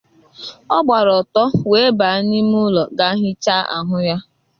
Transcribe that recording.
ọ gbara ọtọ wee bàá n'ime ụlọ ga hichaa ahụ ya.